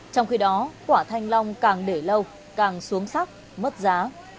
trong khi đó quả thanh long càng để lâu càng xuống sắc mất giá